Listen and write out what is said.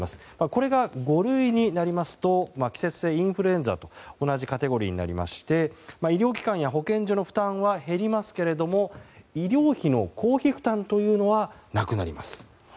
これが五類になりますと季節性インフルエンザと同じカテゴリーになりまして医療機関や保健所の負担は減りますが医療費の公費負担というのはなくなります。